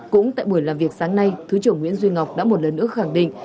cũng tại buổi làm việc sáng nay thứ trưởng nguyễn duy ngọc đã một lần nữa khẳng định